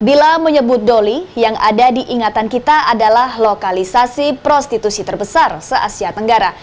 bila menyebut doli yang ada diingatan kita adalah lokalisasi prostitusi terbesar se asia tenggara